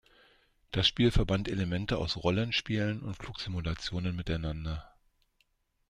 Das Spiel verband Elemente aus Rollenspielen und Flugsimulationen miteinander.